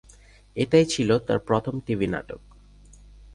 এটাই ছিল তার প্রথম টিভি নাটক।